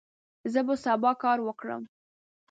زه به سبا کار وکړم.